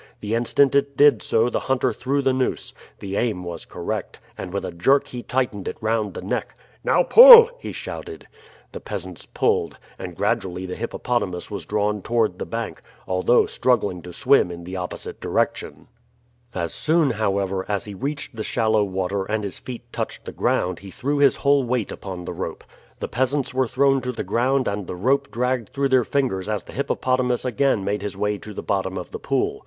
The instant it did so the hunter threw the noose. The aim was correct, and with a jerk he tightened it round the neck. "Now pull!" he shouted. The peasants pulled, and gradually the hippopotamus was drawn toward the bank, although struggling to swim in the opposite direction. As soon, however, as he reached the shallow water and his feet touched the ground he threw his whole weight upon the rope. The peasants were thrown to the ground and the rope dragged through their fingers as the hippopotamus again made his way to the bottom of the pool.